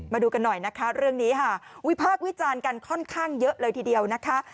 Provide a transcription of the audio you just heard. มาดูกันหน่อยนะคะเรื่องนี้ค่ะวิพากษ์วิจารณ์กันค่อนข้างเยอะเลยทีเดียวนะคะ